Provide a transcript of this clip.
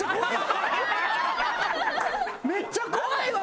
めっちゃ怖いわ！